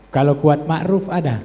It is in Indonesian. kalau kuat ma'ruf ada